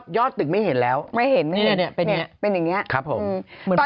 ยอดตึกไม่เห็นแล้วมันเห็นมากเป็นอย่างนี้ครับผม